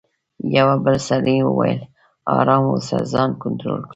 یوه بل سړي وویل: آرام اوسه، ځان کنټرول کړه.